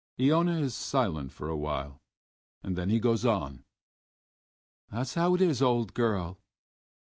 Iona is silent for a while, and then he goes on: "That's how it is, old girl....